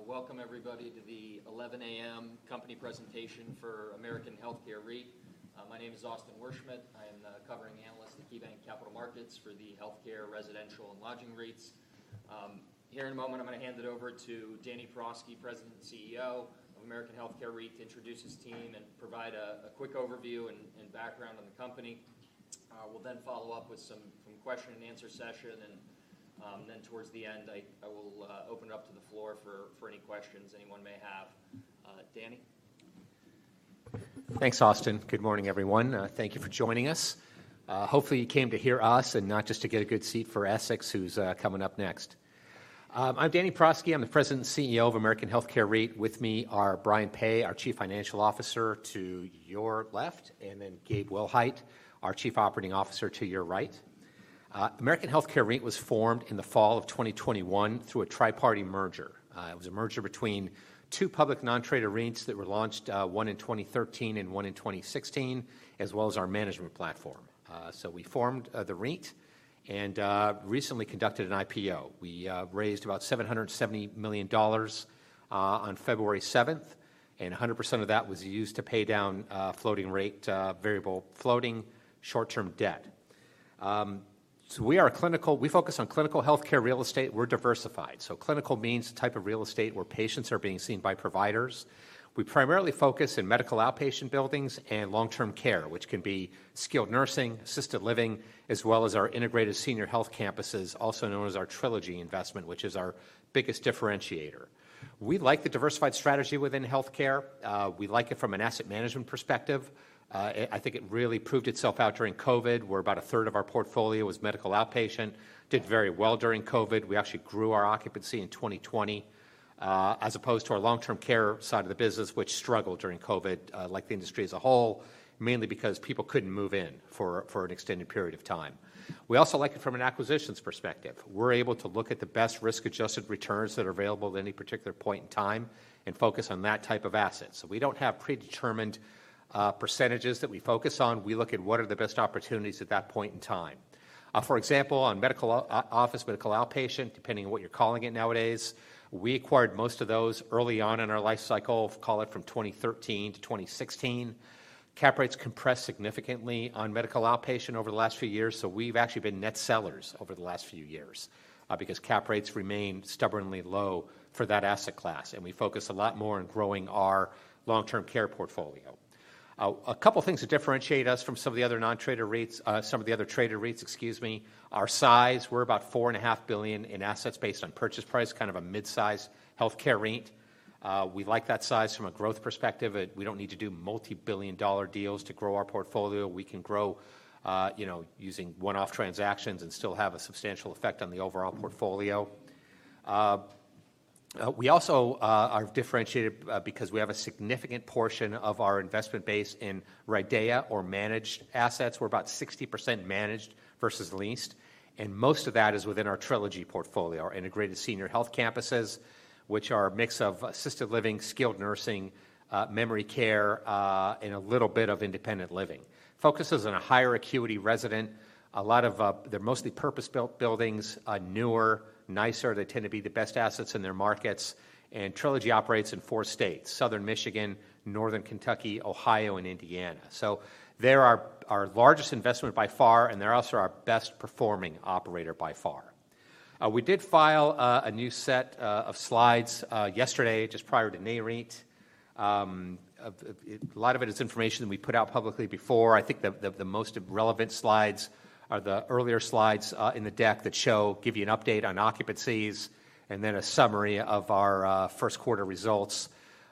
So, welcome everybody to the 11:00 A.M. company presentation for American Healthcare REIT. My name is Austin Wurschmidt. I am the covering analyst at KeyBanc Capital Markets for the Healthcare, Residential, and Lodging REITs. Here in a moment, I'm gonna hand it over to Danny Prosky, President and CEO of American Healthcare REIT, to introduce his team and provide a quick overview and background on the company. We'll then follow up with some question and answer session, and then towards the end, I will open it up to the floor for any questions anyone may have. Danny? Thanks, Austin. Good morning, everyone. Thank you for joining us. Hopefully, you came to hear us and not just to get a good seat for Essex, who's coming up next. I'm Danny Prosky. I'm the President and CEO of American Healthcare REIT. With me are Brian Peay, our Chief Financial Officer, to your left, and then Gabe Willhite, our Chief Operating Officer, to your right. American Healthcare REIT was formed in the fall of 2021 through a tri-party merger. It was a merger between two public non-traded REITs that were launched, one in 2013 and one in 2016, as well as our management platform. So we formed the REIT and recently conducted an IPO. We raised about $770 million on February seventh, and 100% of that was used to pay down floating rate variable floating short-term debt. So we focus on clinical healthcare real estate. We're diversified. So clinical means a type of real estate where patients are being seen by providers. We primarily focus in medical outpatient buildings and long-term care, which can be skilled nursing, assisted living, as well as our integrated senior health campuses, also known as our Trilogy investment, which is our biggest differentiator. We like the diversified strategy within healthcare. We like it from an asset management perspective. I think it really proved itself out during COVID, where about a third of our portfolio was medical outpatient. Did very well during COVID. We actually grew our occupancy in 2020, as opposed to our long-term care side of the business, which struggled during COVID, like the industry as a whole, mainly because people couldn't move in for an extended period of time. We also like it from an acquisitions perspective. We're able to look at the best risk-adjusted returns that are available at any particular point in time and focus on that type of asset. So we don't have predetermined percentages that we focus on. We look at what are the best opportunities at that point in time. For example, on medical office, medical outpatient, depending on what you're calling it nowadays, we acquired most of those early on in our life cycle, call it from 2013 to 2016. Cap rates compressed significantly on medical outpatient over the last few years, so we've actually been net sellers over the last few years, because cap rates remained stubbornly low for that asset class, and we focus a lot more on growing our long-term care portfolio. A couple of things that differentiate us from some of the other non-traded REITs, some of the other traded REITs, excuse me, are size. We're about $4.5 billion in assets based on purchase price, kind of a mid-size healthcare REIT. We like that size from a growth perspective. We don't need to do multi-billion dollar deals to grow our portfolio. We can grow, you know, using one-off transactions and still have a substantial effect on the overall portfolio. We also are differentiated because we have a significant portion of our investment base in RIDEA or managed assets. We're about 60% managed versus leased, and most of that is within our Trilogy portfolio, our integrated senior health campuses, which are a mix of assisted living, skilled nursing, memory care, and a little bit of independent living. Focuses on a higher acuity resident. They're mostly purpose-built buildings, newer, nicer. They tend to be the best assets in their markets. Trilogy operates in four states: Southern Michigan, Northern Kentucky, Ohio, and Indiana. So they're our largest investment by far, and they're also our best-performing operator by far. We did file a new set of slides just prior to NAREIT. A lot of it is information that we put out publicly before. I think the most relevant slides are the earlier slides in the deck that give you an update on occupancies and then a summary of our first quarter results.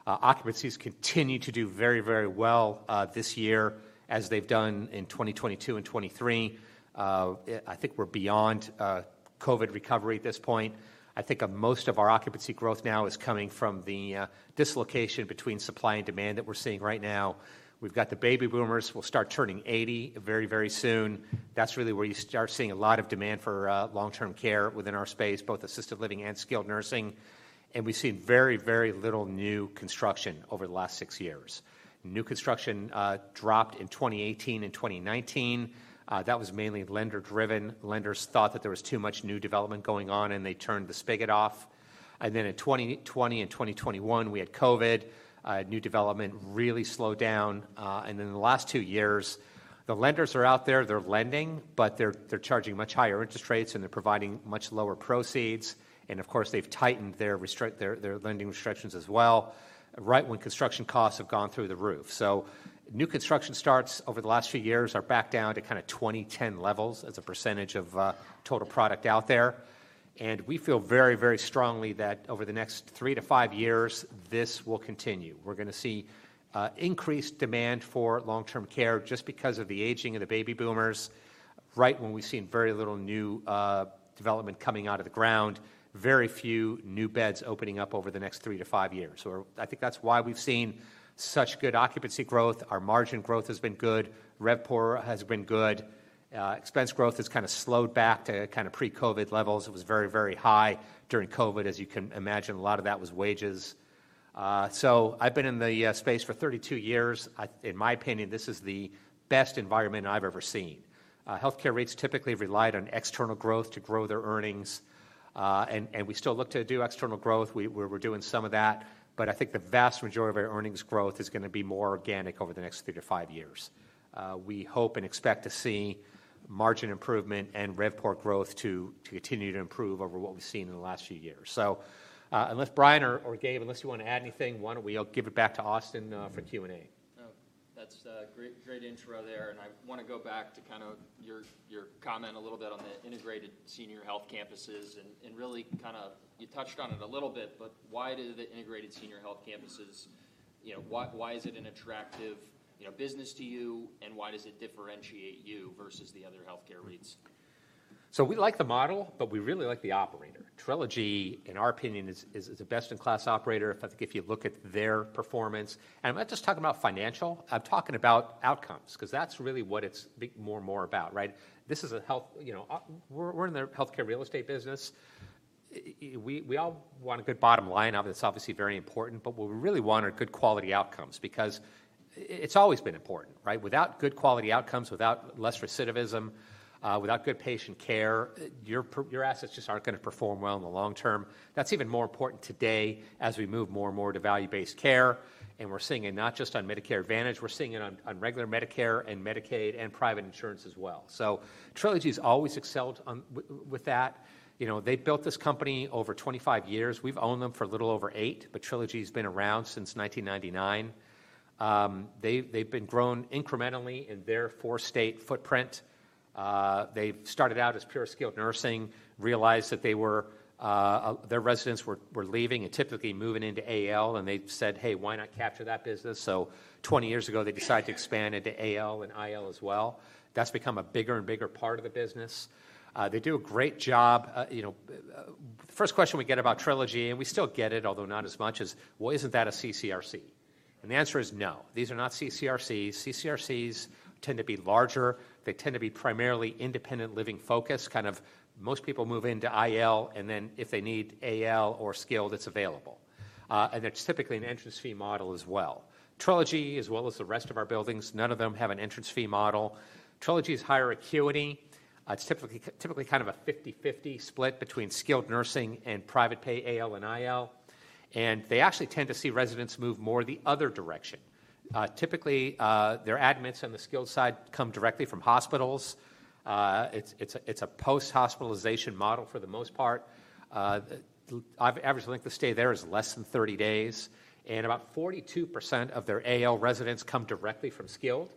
Occupancies continue to do very, very well this year, as they've done in 2022 and 2023. I think we're beyond COVID recovery at this point. I think most of our occupancy growth now is coming from the dislocation between supply and demand that we're seeing right now. We've got the baby boomers will start turning 80 very, very soon. That's really where you start seeing a lot of demand for long-term care within our space, both assisted living and skilled nursing. And we've seen very, very little new construction over the last six years. New construction dropped in 2018 and 2019. That was mainly lender-driven. Lenders thought that there was too much new development going on, and they turned the spigot off. And then in 2020 and 2021, we had COVID. New development really slowed down. And then in the last two years, the lenders are out there, they're lending, but they're charging much higher interest rates, and they're providing much lower proceeds. And of course, they've tightened their lending restrictions as well, right when construction costs have gone through the roof. So new construction starts over the last few years are back down to kind of 2010 levels as a percentage of total product out there. We feel very, very strongly that over the next three to five years, this will continue. We're gonna see, increased demand for long-term care just because of the aging of the baby boomers, right when we've seen very little new, development coming out of the ground, very few new beds opening up over the next three to five years. So I think that's why we've seen such good occupancy growth. Our margin growth has been good. RevPOR has been good. Expense growth has kind of slowed back to kind of pre-COVID levels. It was very, very high during COVID. As you can imagine, a lot of that was wages. So I've been in the, space for 32 years. In my opinion, this is the best environment I've ever seen. Healthcare REITs typically relied on external growth to grow their earnings, and we still look to do external growth. We're doing some of that, but I think the vast majority of our earnings growth is gonna be more organic over the next three to five years. We hope and expect to see margin improvement and RevPAR growth to continue to improve over what we've seen in the last few years. So, unless Brian or Gabe unless you wanna add anything, why don't we, I'll give it back to Austin, for Q&A? Oh, that's great, great intro there, and I wanna go back to kind of your, your comment a little bit on the integrated senior health campuses and really kind of. You touched on it a little bit, but why do the integrated senior health campuses, you know, why, why is it an attractive, you know, business to you, and why does it differentiate you versus the other healthcare REITs? So we like the model, but we really like the operator. Trilogy, in our opinion, is a best-in-class operator. I think if you look at their performance, and I'm not just talking about financial, I'm talking about outcomes, 'cause that's really what it's be more and more about, right? This is a health, you know, we're in the healthcare real estate business. We all want a good bottom line. Obviously, it's very important, but what we really want are good quality outcomes, because it's always been important, right? Without good quality outcomes, without less recidivism, without good patient care, your assets just aren't gonna perform well in the long term. That's even more important today as we move more and more to value-based care, and we're seeing it not just on Medicare Advantage, we're seeing it on regular Medicare and Medicaid and private insurance as well. So Trilogy's always excelled on with that. You know, they built this company over 25 years. We've owned them for a little over eight, but Trilogy's been around since 1999. They've been grown incrementally in their four-state footprint. They started out as pure skilled nursing, realized that they were their residents were leaving and typically moving into AL, and they said, "Hey, why not capture that business?" So 20 years ago, they decided to expand into AL and IL as well. That's become a bigger and bigger part of the business. They do a great job. You know, first question we get about Trilogy, and we still get it, although not as much, is, "Well, isn't that a CCRC?" And the answer is no. These are not CCRCs. CCRCs tend to be larger. They tend to be primarily independent living focused. Kind of, most people move into IL, and then if they need AL or skilled, it's available. And it's typically an entrance fee model as well. Trilogy, as well as the rest of our buildings, none of them have an entrance fee model. Trilogy is higher acuity. It's typically, typically kind of a 50/50 split between skilled nursing and private pay AL and IL, and they actually tend to see residents move more the other direction. Typically, their admits on the skilled side come directly from hospitals. It's a post-hospitalization model for the most part. The average length of stay there is less than 30 days, and about 42% of their AL residents come directly from skilled,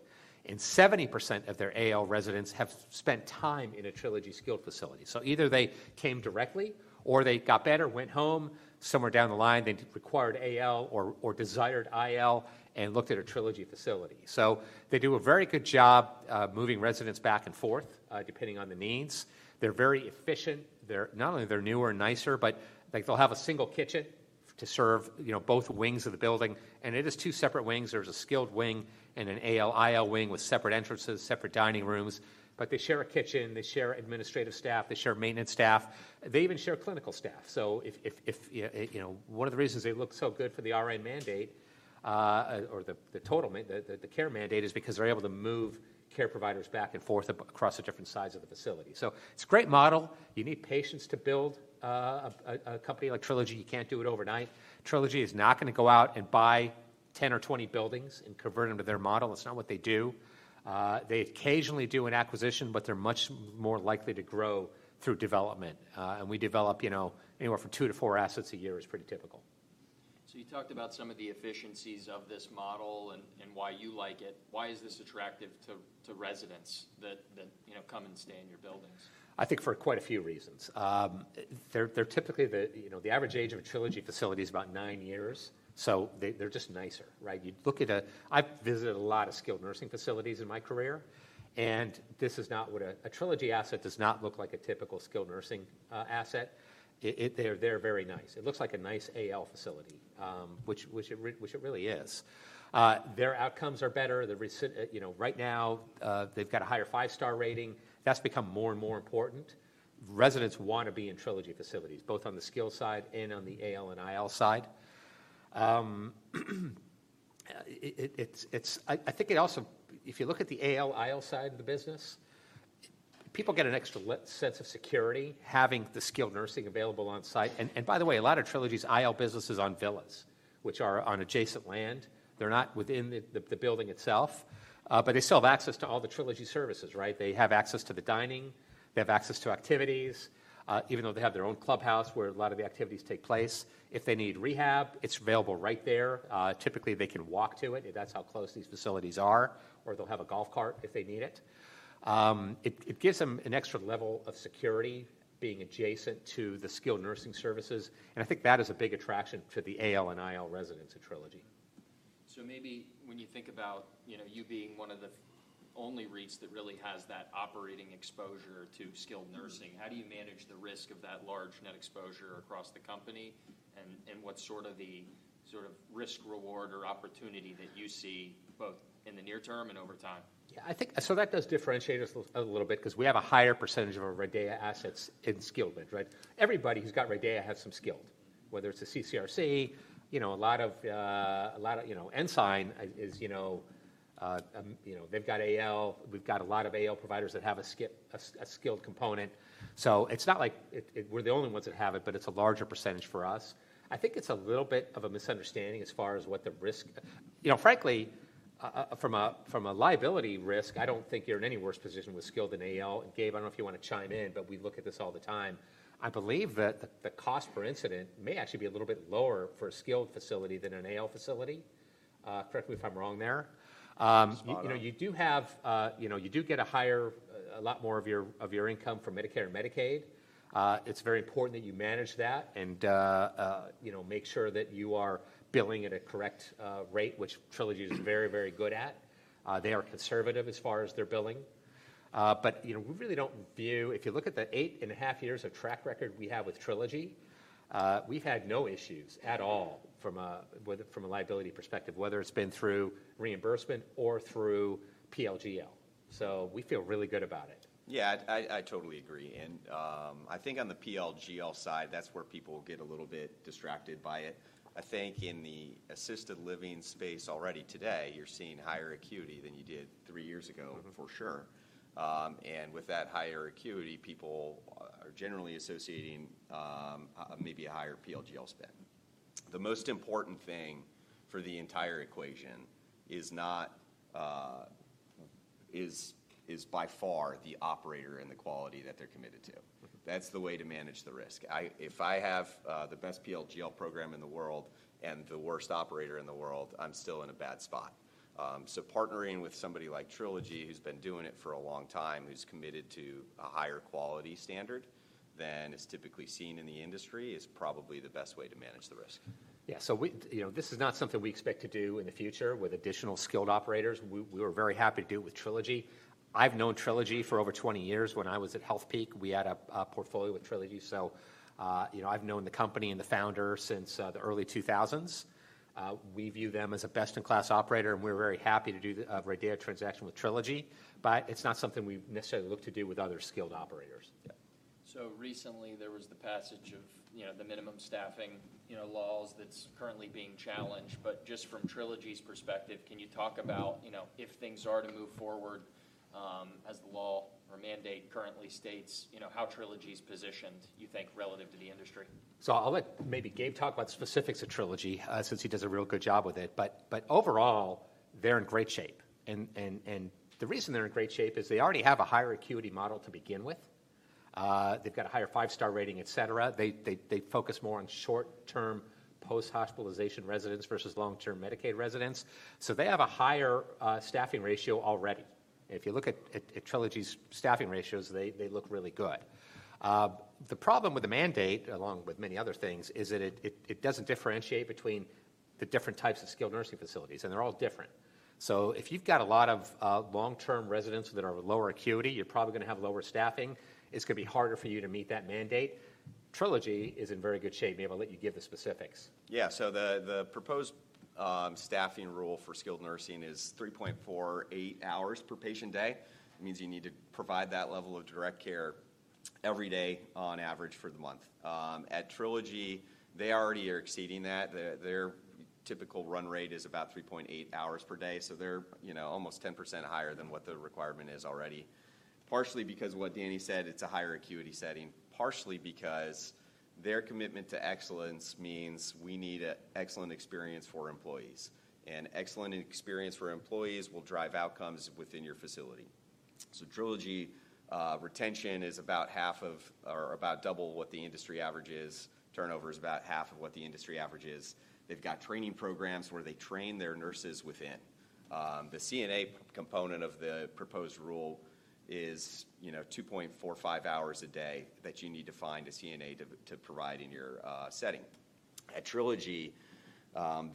and 70% of their AL residents have spent time in a Trilogy skilled facility. So either they came directly, or they got better, went home, somewhere down the line, they required AL or desired IL and looked at a Trilogy facility. So they do a very good job moving residents back and forth depending on the needs. They're very efficient. They're not only newer and nicer, but, like, they'll have a single kitchen to serve, you know, both wings of the building, and it is two separate wings. There's a skilled wing and an AL/IL wing with separate entrances, separate dining rooms, but they share a kitchen, they share administrative staff, they share maintenance staff. They even share clinical staff. So if you know, one of the reasons they look so good for the RN mandate or the total mandate, the care mandate, is because they're able to move care providers back and forth across the different sides of the facility. So it's a great model. You need patients to build a company like Trilogy. You can't do it overnight. Trilogy is not gonna go out and buy 10 or 20 buildings and convert them to their model. It's not what they do. They occasionally do an acquisition, but they're much more likely to grow through development. We develop, you know, anywhere from two to four assets a year is pretty typical. So you talked about some of the efficiencies of this model and why you like it. Why is this attractive to residents that you know come and stay in your buildings? I think for quite a few reasons. They're typically. You know, the average age of a Trilogy facility is about nine years, so they're just nicer, right? You look at. I've visited a lot of skilled nursing facilities in my career, and this is not what a Trilogy asset looks like a typical skilled nursing asset. They're very nice. It looks like a nice AL facility, which it really is. Their outcomes are better. You know, right now, they've got a higher five-star rating. That's become more and more important. Residents want to be in Trilogy facilities, both on the skilled side and on the AL and IL side. I think it also, if you look at the AL/IL side of the business, people get an extra sense of security having the skilled nursing available on-site. And by the way, a lot of Trilogy's IL business is on villas, which are on adjacent land. They're not within the building itself, but they still have access to all the Trilogy services, right? They have access to the dining, they have access to activities, even though they have their own clubhouse, where a lot of the activities take place. If they need rehab, it's available right there. Typically, they can walk to it. That's how close these facilities are, or they'll have a golf cart if they need it. It gives them an extra level of security being adjacent to the skilled nursing services, and I think that is a big attraction to the AL and IL residents at Trilogy. So maybe when you think about, you know, you being one of the only REITs that really has that operating exposure to skilled nursing, how do you manage the risk of that large net exposure across the company, and what's sort of the risk, reward, or opportunity that you see both in the near term and over time? Yeah, I think... So that does differentiate us a little bit 'cause we have a higher percentage of our RIDEA assets in skilled bed, right? Everybody who's got RIDEA has some skilled, whether it's a CCRC, you know, a lot of, you know, Ensign is, you know, they've got AL. We've got a lot of AL providers that have a skilled component. So it's not like it, we're the only ones that have it, but it's a larger percentage for us. I think it's a little bit of a misunderstanding as far as what the risk. You know, frankly, from a liability risk, I don't think you're in any worse position with skilled than AL. Gabe, I don't know if you wanna chime in, but we look at this all the time. I believe that the cost per incident may actually be a little bit lower for a skilled facility than an AL facility. Correct me if I'm wrong there. Spot on. You know, you do have. You know, you do get a higher, a lot more of your, of your income from Medicare and Medicaid. It's very important that you manage that, and, you know, make sure that you are billing at a correct rate, which Trilogy is very, very good at. They are conservative as far as their billing. But, you know, we really don't view. If you look at the 8.5 years of track record we have with Trilogy, we've had no issues at all from a, whether from a liability perspective, whether it's been through reimbursement or through PL/GL. So we feel really good about it. Yeah, I totally agree. I think on the PL/GL side, that's where people get a little bit distracted by it. I think in the assisted living space already today, you're seeing higher acuity than you did three years ago- Mm-hmm. For sure. And with that higher acuity, people are generally associating maybe a higher PL/GL spend. The most important thing for the entire equation is, by far, the operator and the quality that they're committed to. Mm-hmm. That's the way to manage the risk. If I have the best PL/GL program in the world and the worst operator in the world, I'm still in a bad spot. So partnering with somebody like Trilogy, who's been doing it for a long time, who's committed to a higher quality standard than is typically seen in the industry, is probably the best way to manage the risk. Yeah. So, you know, this is not something we expect to do in the future with additional skilled operators. We were very happy to do it with Trilogy. I've known Trilogy for over 20 years. When I was at Healthpeak, we had a portfolio with Trilogy. So, you know, I've known the company and the founder since the early 2000s. We view them as a best-in-class operator, and we're very happy to do the RIDEA transaction with Trilogy, but it's not something we necessarily look to do with other skilled operators. Yeah. So recently, there was the passage of, you know, the minimum staffing, you know, laws that's currently being challenged. But just from Trilogy's perspective, can you talk about, you know, if things are to move forward, as the law or mandate currently states, you know, how Trilogy's positioned, you think, relative to the industry? So I'll let maybe Gabe talk about specifics of Trilogy, since he does a real good job with it. But overall, they're in great shape, and the reason they're in great shape is they already have a higher acuity model to begin with. They've got a higher five-star rating, et cetera. They focus more on short-term post-hospitalization residents versus long-term Medicaid residents, so they have a higher staffing ratio already. If you look at Trilogy's staffing ratios, they look really good. The problem with the mandate, along with many other things, is that it doesn't differentiate between the different types of skilled nursing facilities, and they're all different. So if you've got a lot of long-term residents that are lower acuity, you're probably gonna have lower staffing. It's gonna be harder for you to meet that mandate. Trilogy is in very good shape. Maybe I'll let you give the specifics. Yeah. So the proposed staffing rule for skilled nursing is 3.48 hours per patient day. It means you need to provide that level of direct care every day on average for the month. At Trilogy, they already are exceeding that. Their typical run rate is about 3.8 hours per day, so they're, you know, almost 10% higher than what the requirement is already. Partially because what Danny said, it's a higher acuity setting, partially because their commitment to excellence means we need a excellent experience for employees, and excellent experience for employees will drive outcomes within your facility. So Trilogy, retention is about half of, or about double what the industry average is. Turnover is about half of what the industry average is. They've got training programs where they train their nurses within. The CNA component of the proposed rule is, you know, 2.45 hours a day that you need to find a CNA to, to provide in your setting. At Trilogy,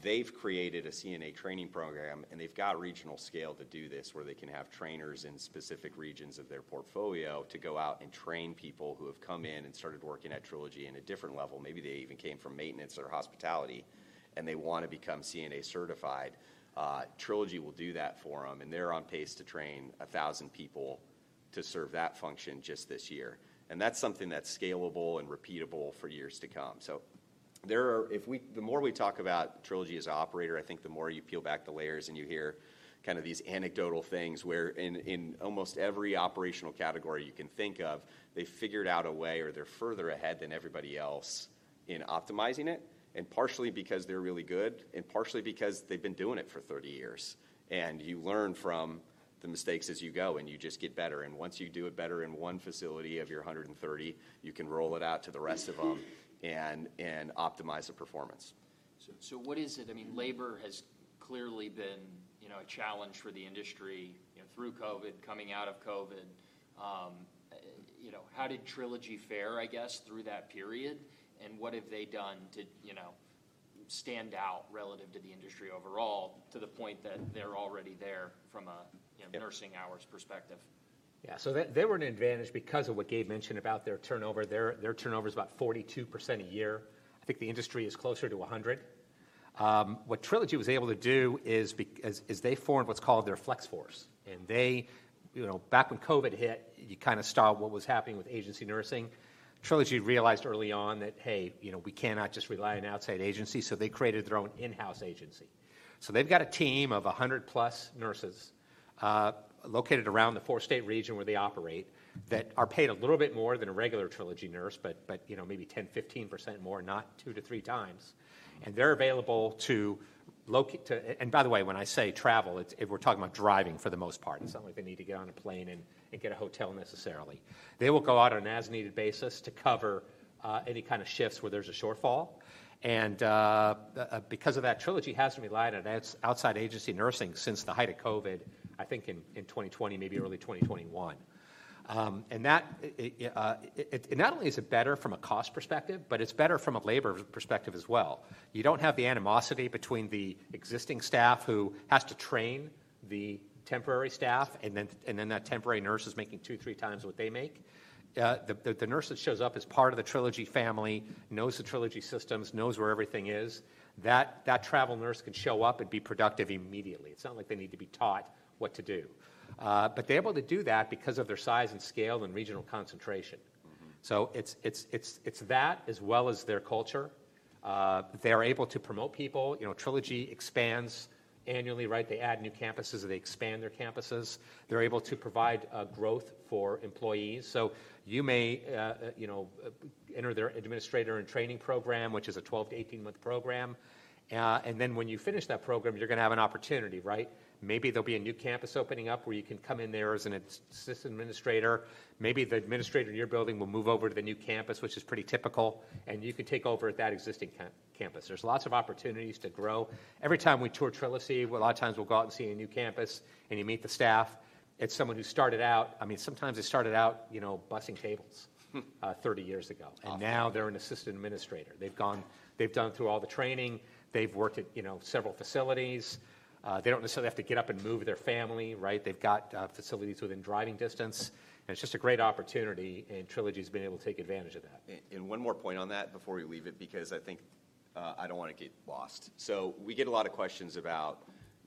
they've created a CNA training program, and they've got regional scale to do this, where they can have trainers in specific regions of their portfolio to go out and train people who have come in and started working at Trilogy in a different level. Maybe they even came from maintenance or hospitality, and they want to become CNA certified. Trilogy will do that for them, and they're on pace to train 1,000 people to serve that function just this year, and that's something that's scalable and repeatable for years to come. The more we talk about Trilogy as an operator, I think the more you peel back the layers, and you hear kind of these anecdotal things where in almost every operational category you can think of, they've figured out a way or they're further ahead than everybody else in optimizing it, and partially because they're really good, and partially because they've been doing it for 30 years. And you learn from the mistakes as you go, and you just get better, and once you do it better in one facility of your 130, you can roll it out to the rest of them and optimize the performance. So, so what is it? I mean, labor has clearly been, you know, a challenge for the industry, you know, through COVID, coming out of COVID. You know, how did Trilogy fare, I guess, through that period, and what have they done to, you know, stand out relative to the industry overall, to the point that they're already there from a, you know- Yeah nursing hours perspective? Yeah. So they were at an advantage because of what Gabe mentioned about their turnover. Their turnover is about 42% a year. I think the industry is closer to 100%. What Trilogy was able to do is they formed what's called their Flex Force, and they, you know, back when COVID hit, you kind of saw what was happening with agency nursing. Trilogy realized early on that, hey, you know, we cannot just rely on outside agencies, so they created their own in-house agency. So they've got a team of 100+ nurses located around the four-state region where they operate, that are paid a little bit more than a regular Trilogy nurse, but, you know, maybe 10, 15% more, not 2x-3x. And they're available to loc- to. And by the way, when I say travel, we're talking about driving for the most part. It's not like they need to get on a plane and get a hotel necessarily. They will go out on an as-needed basis to cover any kind of shifts where there's a shortfall. Because of that, Trilogy hasn't relied on its outside agency nursing since the height of COVID, I think in 2020, maybe early 2021. Not only is it better from a cost perspective, but it's better from a labor perspective as well. You don't have the animosity between the existing staff who has to train the temporary staff, and then that temporary nurse is making 2x-3x what they make. The nurse that shows up is part of the Trilogy family, knows the Trilogy systems, knows where everything is. That travel nurse can show up and be productive immediately. It's not like they need to be taught what to do. But they're able to do that because of their size and scale and regional concentration. Mm-hmm. So it's that, as well as their culture. They're able to promote people. You know, Trilogy expands annually, right? They add new campuses, or they expand their campuses. They're able to provide growth for employees. So you may, you know, enter their administrator-in-training program, which is a 12-18-month program, and then when you finish that program, you're gonna have an opportunity, right? Maybe there'll be a new campus opening up where you can come in there as an assistant administrator. Maybe the administrator in your building will move over to the new campus, which is pretty typical, and you can take over at that existing campus. There's lots of opportunities to grow. Every time we tour Trilogy, well, a lot of times we'll go out and see a new campus, and you meet the staff. It's someone who started out- I mean, sometimes they started out, you know, bussing tables- Hmm 30 years ago. Awesome. Now they're an assistant administrator. They've gone through all the training. They've worked at, you know, several facilities. They don't necessarily have to get up and move their family, right? They've got facilities within driving distance, and it's just a great opportunity, and Trilogy's been able to take advantage of that. And one more point on that before we leave it, because I think, I don't wanna get lost. So we get a lot of questions about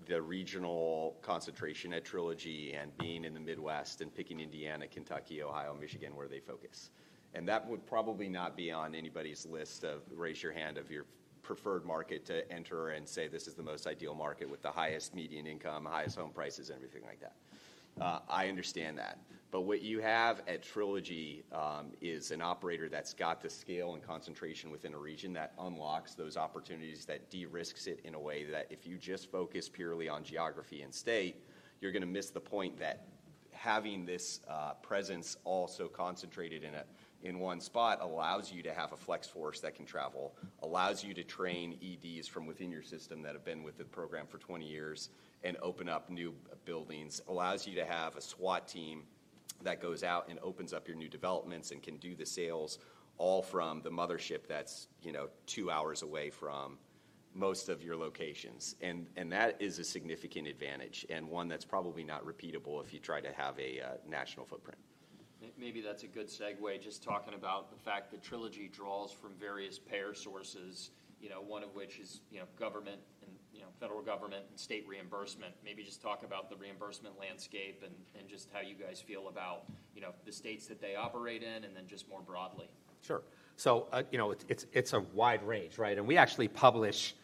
the regional concentration at Trilogy and being in the Midwest and picking Indiana, Kentucky, Ohio, Michigan, where they focus. And that would probably not be on anybody's list of, raise your hand, of your preferred market to enter and say, this is the most ideal market with the highest median income, the highest home prices, and everything like that. I understand that, but what you have at Trilogy is an operator that's got the scale and concentration within a region that unlocks those opportunities, that de-risks it in a way that if you just focus purely on geography and state, you're gonna miss the point that having this presence all so concentrated in a, in one spot allows you to have a Flex Force that can travel, allows you to train EDs from within your system that have been with the program for 20 years and open up new buildings, allows you to have a SWAT team that goes out and opens up your new developments and can do the sales, all from the mothership that's, you know, two hours away from most of your locations. That is a significant advantage, and one that's probably not repeatable if you try to have a national footprint. Maybe that's a good segue, just talking about the fact that Trilogy draws from various payer sources, you know, one of which is, you know, government and, you know, federal government and state reimbursement. Maybe just talk about the reimbursement landscape and just how you guys feel about, you know, the states that they operate in, and then just more broadly. Sure. So, you know, it's a wide range, right? And we actually publish,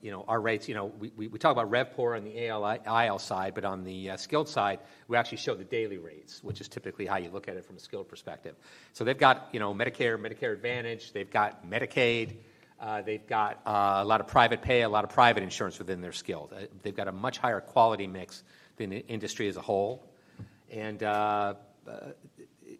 you know, our rates. You know, we talk about RevPOR on the AL-IL side, but on the skilled side, we actually show the daily rates, which is typically how you look at it from a skilled perspective. So they've got, you know, Medicare, Medicare Advantage, they've got Medicaid, they've got a lot of private pay, a lot of private insurance within their skilled. They've got a much higher quality mix than the industry as a whole. And,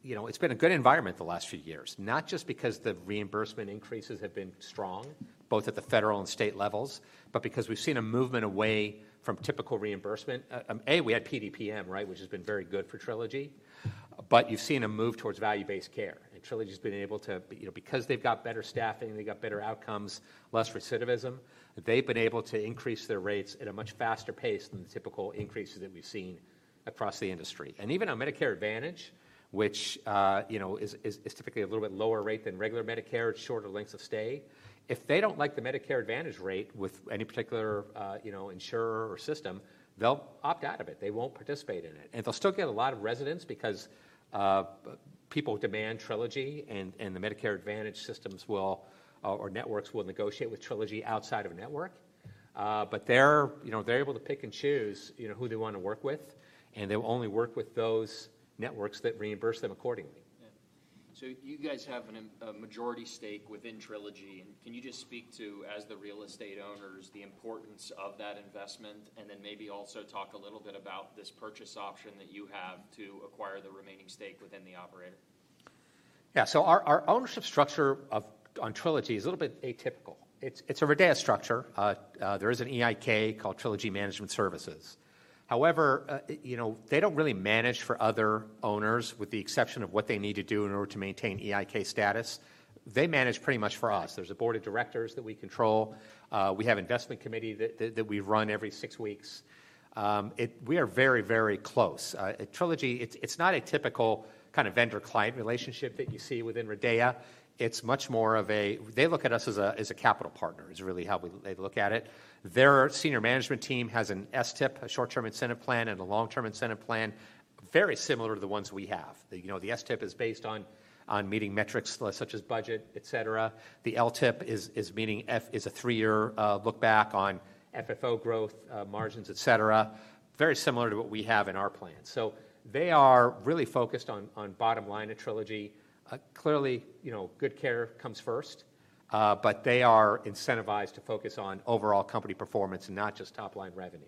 you know, it's been a good environment the last few years, not just because the reimbursement increases have been strong, both at the federal and state levels, but because we've seen a movement away from typical reimbursement. We had PDPM, right, which has been very good for Trilogy, but you've seen a move towards value-based care, and Trilogy's been able to, you know, because they've got better staffing, they've got better outcomes, less recidivism, they've been able to increase their rates at a much faster pace than the typical increases that we've seen across the industry. And even on Medicare Advantage, which, you know, is typically a little bit lower rate than regular Medicare, it's shorter lengths of stay, if they don't like the Medicare Advantage rate with any particular, you know, insurer or system, they'll opt out of it. They won't participate in it. And they'll still get a lot of residents because, people demand Trilogy, and the Medicare Advantage systems will, or networks will negotiate with Trilogy outside of network. But they're, you know, they're able to pick and choose, you know, who they wanna work with, and they'll only work with those networks that reimburse them accordingly. Yeah. So you guys have a majority stake within Trilogy, and can you just speak to, as the real estate owners, the importance of that investment, and then maybe also talk a little bit about this purchase option that you have to acquire the remaining stake within the operator? Yeah. So our ownership structure on Trilogy is a little bit atypical. It's a RIDEA structure. There is an EIK called Trilogy Management Services. However, you know, they don't really manage for other owners, with the exception of what they need to do in order to maintain EIK status. They manage pretty much for us. There's a board of directors that we control. We have investment committee that we run every six weeks. We are very, very close. At Trilogy, it's not a typical kind of vendor-client relationship that you see within RIDEA. It's much more of a they look at us as a capital partner, is really how they look at it. Their senior management team has an STIP, a short-term incentive plan, and a long-term incentive plan. Very similar to the ones we have. The, you know, the STIP is based on meeting metrics, such as budget, et cetera. The LTIP is a three-year look back on FFO growth, margins, et cetera. Very similar to what we have in our plan. So they are really focused on bottom line at Trilogy. Clearly, you know, good care comes first, but they are incentivized to focus on overall company performance, and not just top-line revenue.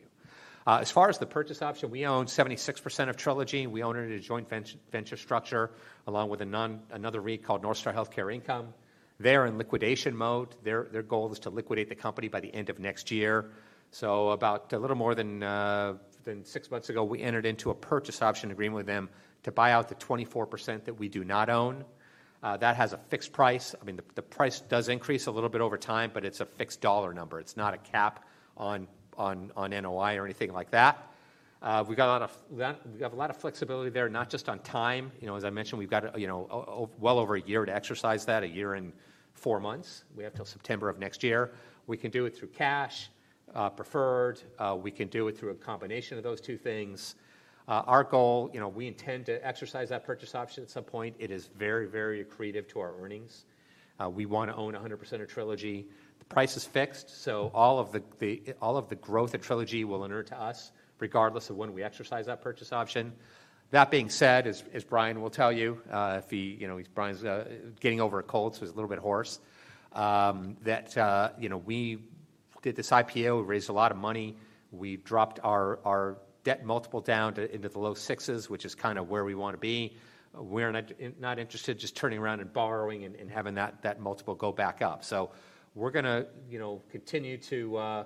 As far as the purchase option, we own 76% of Trilogy. We own it in a joint venture structure, along with another REIT called NorthStar Healthcare Income. They're in liquidation mode. Their goal is to liquidate the company by the end of next year. So about a little more than six months ago, we entered into a purchase option agreement with them to buy out the 24% that we do not own. That has a fixed price. I mean, the price does increase a little bit over time, but it's a fixed dollar number. It's not a cap on NOI or anything like that. We've got a lot of flexibility there, not just on time. You know, as I mentioned, we've got, you know, well over a year to exercise that, a year and four months. We have till September of next year. We can do it through cash, preferred. We can do it through a combination of those two things. Our goal, you know, we intend to exercise that purchase option at some point. It is very, very accretive to our earnings. We want to own 100% of Trilogy. The price is fixed, so all of the growth at Trilogy will inure to us, regardless of when we exercise that purchase option. That being said, as Brian will tell you, if he, you know, he's getting over a cold, so he's a little bit hoarse. You know, we did this IPO. We raised a lot of money. We dropped our debt multiple down to into the low sixes, which is kind of where we want to be. We're not interested just turning around and borrowing and having that multiple go back up. So we're gonna, you know, continue to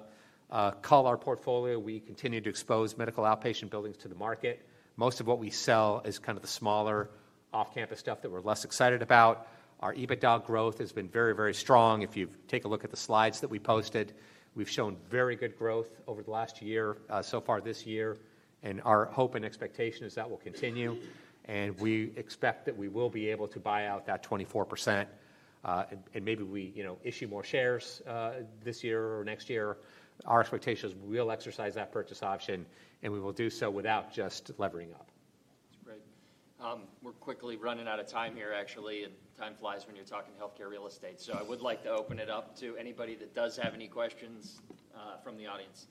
cull our portfolio. We continue to expose medical outpatient buildings to the market. Most of what we sell is kind of the smaller, off-campus stuff that we're less excited about. Our EBITDA growth has been very, very strong. If you take a look at the slides that we posted, we've shown very good growth over the last year, so far this year, and our hope and expectation is that will continue, and we expect that we will be able to buy out that 24%. And maybe we, you know, issue more shares this year or next year. Our expectation is we'll exercise that purchase option, and we will do so without just levering up. That's great. We're quickly running out of time here, actually, and time flies when you're talking healthcare real estate. I would like to open it up to anybody that does have any questions from the audience.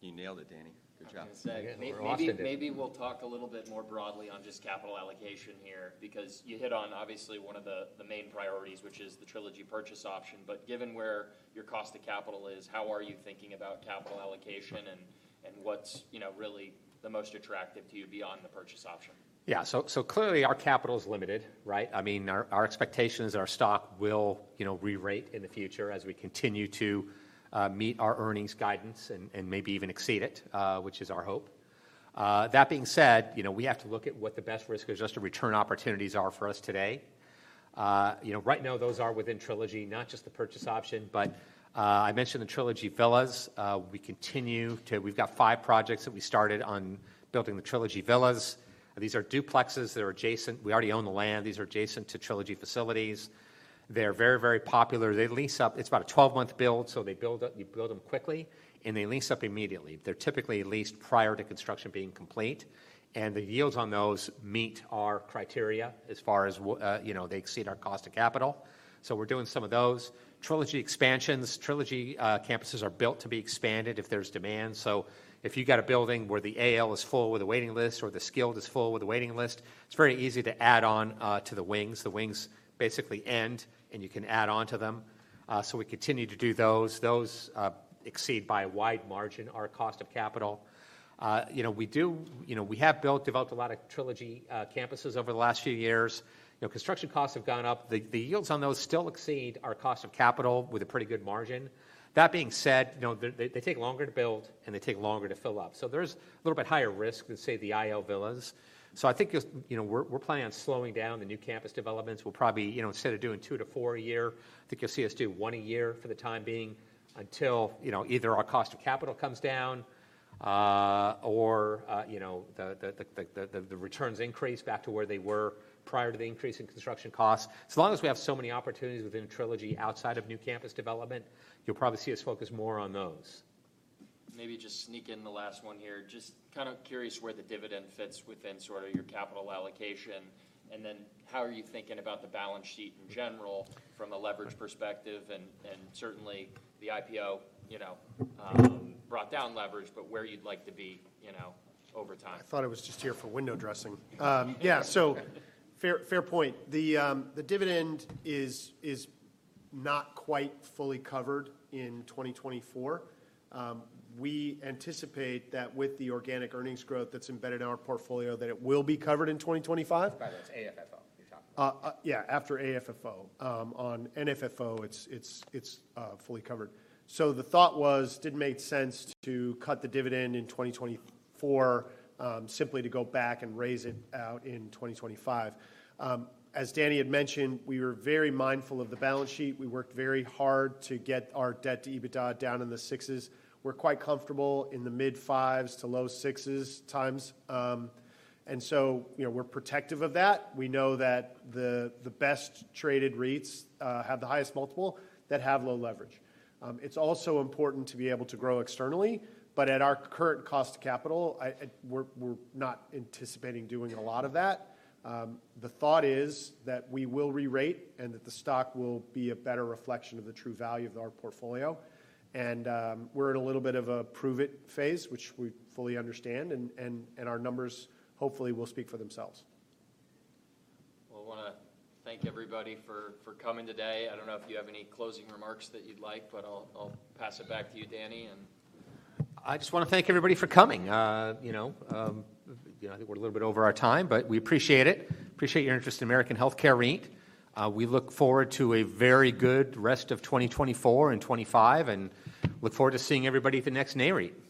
You nailed it, Danny. Good job. I was going to say- You rocked it. Maybe, maybe we'll talk a little bit more broadly on just capital allocation here, because you hit on obviously one of the main priorities, which is the Trilogy purchase option. But given where your cost to capital is, how are you thinking about capital allocation, and what's, you know, really the most attractive to you beyond the purchase option? Yeah, so clearly, our capital is limited, right? I mean, our expectation is our stock will, you know, re-rate in the future as we continue to meet our earnings guidance and maybe even exceed it, which is our hope. That being said, you know, we have to look at what the best risk-adjusted return opportunities are for us today. You know, right now, those are within Trilogy, not just the purchase option, but I mentioned the Trilogy Villas. We continue to, we've got five projects that we started on building the Trilogy Villas. These are duplexes that are adjacent. We already own the land. These are adjacent to Trilogy facilities. They're very, very popular. They lease up. It's about a 12-month build, so you build them quickly, and they lease up immediately. They're typically leased prior to construction being complete, and the yields on those meet our criteria as far as, you know, they exceed our cost of capital. So we're doing some of those. Trilogy expansions, Trilogy campuses are built to be expanded if there's demand. So if you've got a building where the AL is full with a waiting list or the skilled is full with a waiting list, it's very easy to add on to the wings. The wings basically end, and you can add on to them. So we continue to do those. Those exceed by a wide margin our cost of capital. You know, we have built, developed a lot of Trilogy campuses over the last few years. You know, construction costs have gone up. The yields on those still exceed our cost of capital with a pretty good margin. That being said, you know, they take longer to build, and they take longer to fill up. So there's a little bit higher risk than, say, the IL villas. So I think, you know, we're planning on slowing down the new campus developments. We'll probably, you know, instead of doing two to four a year, I think you'll see us do one a year for the time being until, you know, either our cost of capital comes down, or, you know, the returns increase back to where they were prior to the increase in construction costs. So long as we have so many opportunities within Trilogy outside of new campus development, you'll probably see us focus more on those. Maybe just sneak in the last one here. Just kind of curious where the dividend fits within sort of your capital allocation, and then how are you thinking about the balance sheet in general from a leverage perspective? And certainly, the IPO, you know, brought down leverage, but where you'd like to be, you know, over time. I thought I was just here for window dressing. Fair, fair point. The dividend is not quite fully covered in 2024. We anticipate that with the organic earnings growth that's embedded in our portfolio, that it will be covered in 2025. By the way, it's AFFO you're talking about. Yeah, after AFFO. On NFFO, it's fully covered. So the thought was, did it make sense to cut the dividend in 2024, simply to go back and raise it out in 2025? As Danny had mentioned, we were very mindful of the balance sheet. We worked very hard to get our debt to EBITDA down in the 6s. We're quite comfortable in the mid-5s to low-6s times, and so, you know, we're protective of that. We know that the best-traded REITs have the highest multiple, that have low leverage. It's also important to be able to grow externally, but at our current cost of capital, we're not anticipating doing a lot of that. The thought is that we will re-rate, and that the stock will be a better reflection of the true value of our portfolio. And, we're in a little bit of a prove-it phase, which we fully understand, and our numbers hopefully will speak for themselves. Well, I wanna thank everybody for coming today. I don't know if you have any closing remarks that you'd like, but I'll pass it back to you, Danny, and- I just want to thank everybody for coming. You know, you know, I think we're a little bit over our time, but we appreciate it. Appreciate your interest in American Healthcare REIT. We look forward to a very good rest of 2024 and 2025, and look forward to seeing everybody at the next NAREIT.